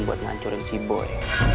buat ngancurin si boy